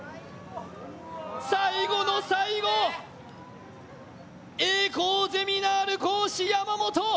最後の最後、栄光ゼミナール講師、山本。